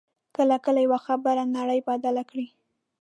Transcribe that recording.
کله کله یوه خبره نړۍ بدله کړي